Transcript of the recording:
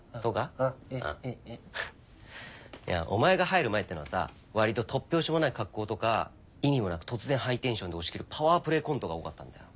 お前が入る前ってのはさわりと突拍子もない格好とか意味もなく突然ハイテンションで押し切るパワープレーコントが多かったんだよ。